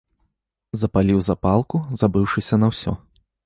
Запаліў запалку, забыўшыся на ўсё.